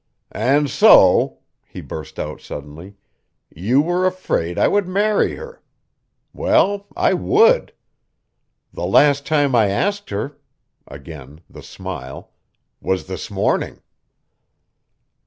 "And so," he burst out suddenly, "you were afraid I would marry her! Well, I would. The last time I asked her" again the smile "was this morning."